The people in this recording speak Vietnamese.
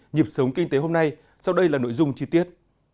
nhịp sống kinh tế hôm nay sau đây là nội dung chi tiết